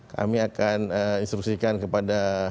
kami akan instruksikan kepada